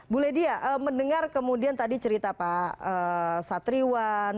boleh dia mendengar kemudian tadi cerita pak satriwan